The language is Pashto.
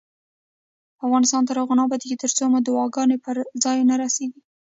افغانستان تر هغو نه ابادیږي، ترڅو مو دعاګانې پر ځای ونه رسیږي.